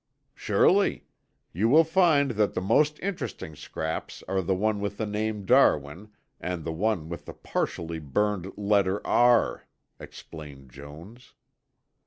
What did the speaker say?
"Surely. You will find that the most interesting scraps are the one with the name Darwin and the one with the partially burned letter R," explained Jones.